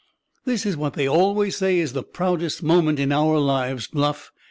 "This is what they always say is the proudest moment in our lives, Bluff!"